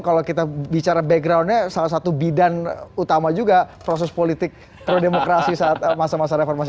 kalau kita bicara backgroundnya salah satu bidan utama juga proses politik pro demokrasi saat masa masa reformasi